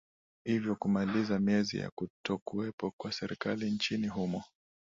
ivyo kumaliza miezi yakutokuwepo kwa serikali nchini humo